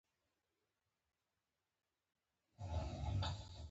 هارد ډرایو مې بشپړ شو.